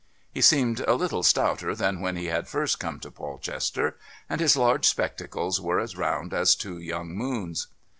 He seemed a little stouter than when he had first come to Polchester, and his large spectacles were as round as two young moons.